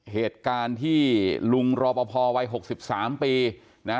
เหตุการณ์ที่ลุงรอปภวัย๖๓ปีนะ